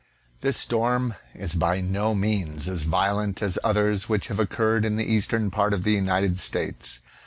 This storm is by no means as violent as others which have occurred, in the eastern part of the United States.